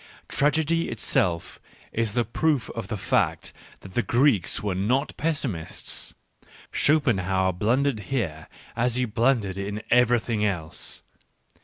Tragedy itself is the proof of the fact that the Greeks were not pessimist s: Schopen foanerhlijnHerefi hereas he blundered in everything else.